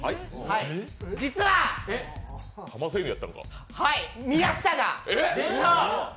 実は宮下が。